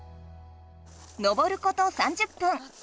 登ること３０分。